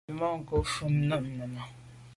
Tswemanko’ vù mum nenà.